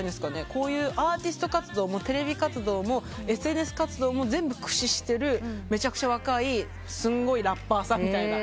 こういうアーティスト活動もテレビ活動もＳＮＳ活動も全部駆使してるめちゃくちゃ若いすごいラッパーさんみたいな。